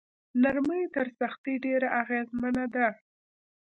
نرمي تر سختۍ ډیره اغیزمنه ده.